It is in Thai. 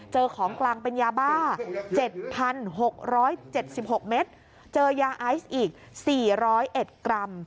ของกลางเป็นยาบ้า๗๖๗๖เมตรเจอยาไอซ์อีก๔๐๑กรัม